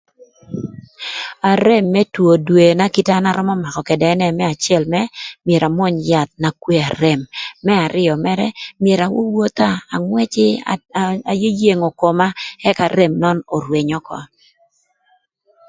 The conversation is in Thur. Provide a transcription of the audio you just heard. Arem më two dwena kite na an arömö ködë ënë më acël mërë myero amwöny yath na kweo arem. Më arïö mërë myero awowotha angwëcï ayeyengo koma ëk arem nön orweny ökö.